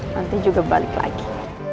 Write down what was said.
nanti juga balik lagi